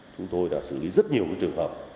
chúng tôi đã xử lý rất nhiều trường hợp